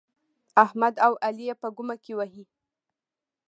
احمد او علي يې په ګمه کې وهي.